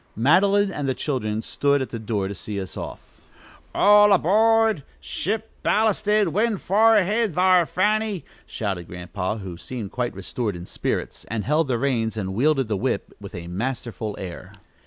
Madeline and the children stood at the door to see us off. "All aboard! ship ballasted! wind fa'r! go ahead thar', Fanny!" shouted Grandpa, who seemed quite restored in spirits, and held the reins and wielded the whip with a masterful air.